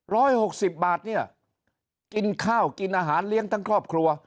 หกสิบบาทเนี่ยกินข้าวกินอาหารเลี้ยงทั้งครอบครัว